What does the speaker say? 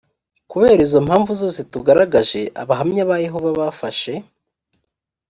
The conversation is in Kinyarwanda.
kubera izo mpamvu zose tugaragaje abahamya ba yehova bafashe